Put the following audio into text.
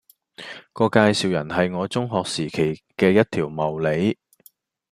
個介紹人係我中學時期嘅一條茂利